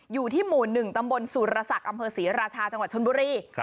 อยู่ที่หมู่๑ตำบลสุรศักดิ์อำเภอศรีราชาจังหวัดชนบุรี